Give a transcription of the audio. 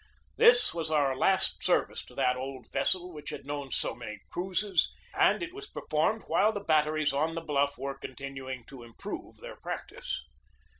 This was our last service to that old vessel which had known so many cruises, and it was performed while the batteries on the bluff were continuing to improve their practice.